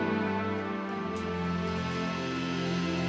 lalu aku mau pergi